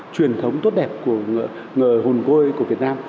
truyền thống tốt đẹp của hồn côi của việt nam